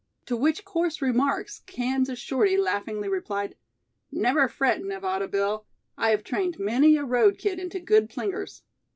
To which coarse remarks Kansas Shorty laughingly replied: "Never fret, Nevada Bill, I have trained many a road kid into good plingers."